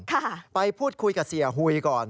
ค่ะไปพูดคุยกับเสียหุยก่อน